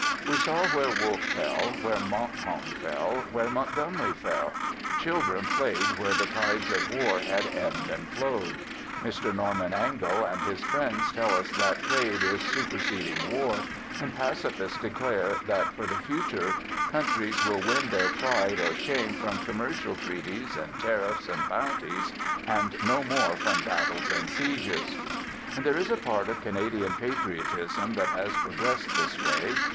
We saw where Wolfe fell, where Montcalm fell, where Montgomery fell. Children played where the tides of war had ebbed and flowed. Mr Norman Angell and his friends tell us that trade is superseding war; and pacifists declare that for the future countries will win their pride or shame from commercial treaties and tariffs and bounties, and no more from battles and sieges. And there is a part of Canadian patriotism that has progressed this way.